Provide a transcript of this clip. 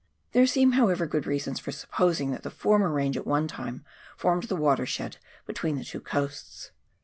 There seem, however, good reasons for supposing that the former range at one time formed the watershed between the two coasts.